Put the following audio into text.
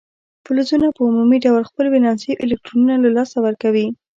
فلزونه په عمومي ډول خپل ولانسي الکترونونه له لاسه ورکوي.